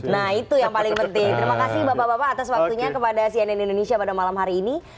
nah itu yang paling penting terima kasih bapak bapak atas waktunya kepada cnn indonesia pada malam hari ini